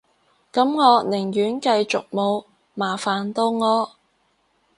噉我寧願繼續冇，麻煩到我